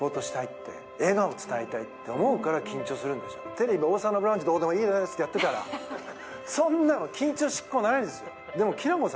テレビ、「王様のブランチ」どうでもいいですってやってたらそんなの緊張しっこないですよ。